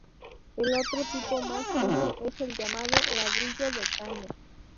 El otro tipo, más fino, es el llamado "ladrillo de caña".